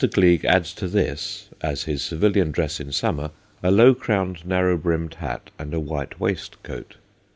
Gleig adds to this, as his civilian dress in summer, a low crowned, narrow brimmed hat, and a white waistcoat.